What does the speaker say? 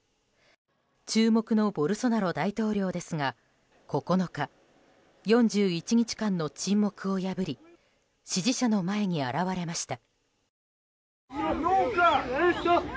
注目のボルソナロ大統領ですが９日４１日間の沈黙を破り支持者の前に現れました。